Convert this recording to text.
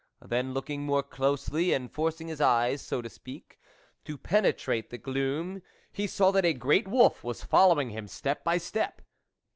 Then, looking more closely, and forcing his eyes, so to speak, to penetrate the gloom, he saw that a great wolf was following him, step by step.